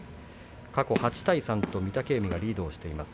過去８対３と御嶽海がリードをしています。